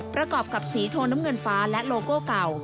ประกอบกับสีโทนน้ำเงินฟ้าและโลโก้เก่า